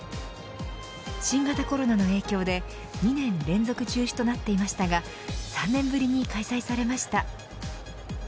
新型コロナの影響で２年連続中止となっていましたが３年ぶりに開催されました。